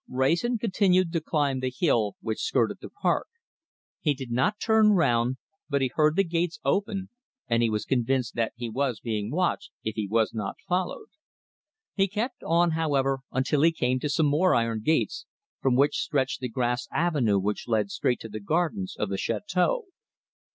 Wrayson continued to climb the hill which skirted the park. He did not turn round, but he heard the gates open, and he was convinced that he was being watched, if he was not followed. He kept on, however, until he came to some more iron gates, from which stretched the grass avenue which led straight to the gardens of the château.